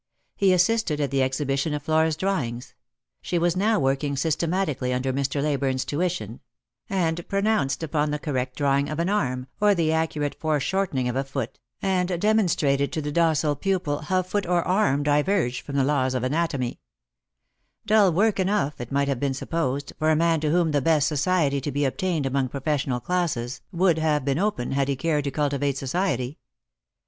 He assisted at the exhibition of Flora's drawings— she u ° n , u v working 68 Lost for Love. systematically under Mr. Leyburne's tuition — and pronounced upon the correct drawing of an arm, or the accurate foreshorten ing of a foot, and demonstrated to the docile pupil how foot or arm diverged from the laws of anatomy, Dull work enough, it might have been supposed, for a man to whom the best society to be obtained among professional classes would have been open, had he cared to cultivate society.